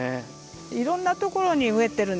いろんな所に植えてるんですよね。